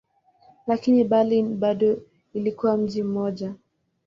Lakini Berlin bado ilikuwa mji mmoja.